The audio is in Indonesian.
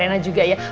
rena juga ya